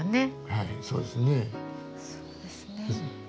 はいそうですね。